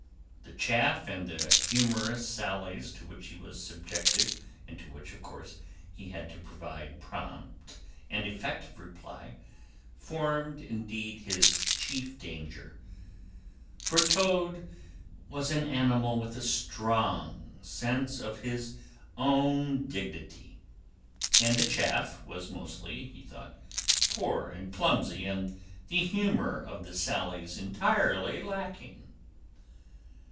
The chaff and the humourous sallies to which he was subjected, and to which, of course, he had to provide prompt and effective reply, formed, indeed, his chief danger; for Toad was an animal with a strong sense of his own dignity, and the chaff was mostly (he thought) poor and clumsy, and the humour of the sallies entirely lacking.